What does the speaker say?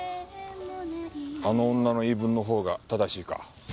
あの女の言い分の方が正しいか？